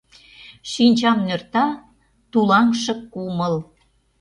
Шинчам нӧрта Тулаҥше кумыл.